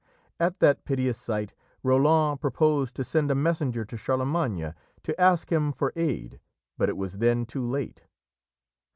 At that piteous sight Roland proposed to send a messenger to Charlemagne to ask him for aid, but it was then too late.